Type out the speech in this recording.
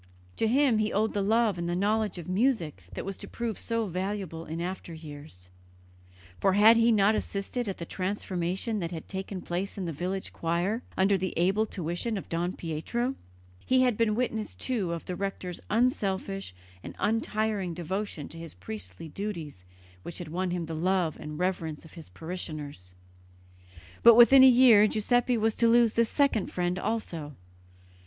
To him he owed the love and the knowledge of music that was to prove so valuable in after years, for had he not assisted at the transformation that had taken place in the village choir under the able tuition of Don Pietro? He had been witness, too, of the rector's unselfish and untiring devotion to his priestly duties which had won him the love and reverence of his parishioners; but within a year Giuseppe was to lose this second friend also.